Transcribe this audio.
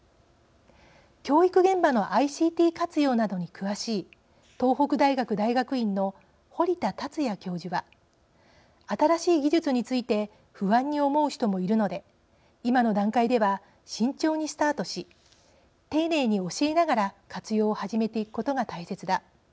教育現場のＩＣＴ活用などに詳しい東北大学大学院の堀田龍也教授は新しい技術について不安に思う人もいるので今の段階では慎重にスタートし丁寧に教えながら活用を始めていくことが大切だ。